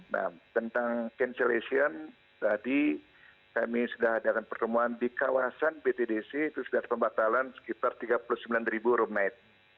nah tentang cancellation tadi kami sudah ada pertemuan di kawasan btdc itu sudah pembatalan sekitar tiga puluh sembilan roommate